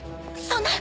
そんな！